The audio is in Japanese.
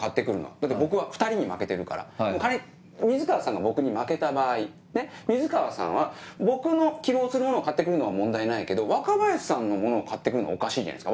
だって僕は２人に負けてるから仮に水川さんが僕に負けた場合水川さんは僕の希望するもの買って来るのは問題ないけど若林さんのものを買って来るのはおかしいじゃないですか。